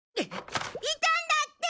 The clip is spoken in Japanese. いたんだって！